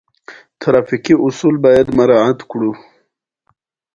انفلاسیون نور ډېر لاملونه لري.